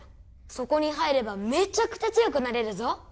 そこに入ればめちゃくちゃ強くなれるぞ